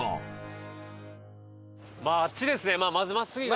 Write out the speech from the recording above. まああっちですね。